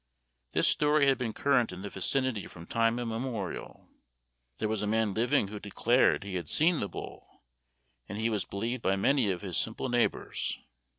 This story had been current in the vicinity from time immemorial; there was a man living who declared he had seen the bull, and he was believed by many of his simple neighbors.